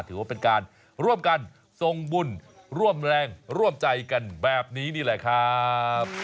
ถือว่าเป็นการร่วมกันทรงบุญร่วมแรงร่วมใจกันแบบนี้นี่แหละครับ